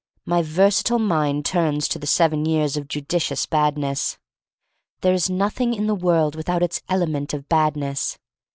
My versatile mind turns to the seven years of judicious Badness. There is nothing in the world with out its element of Badness.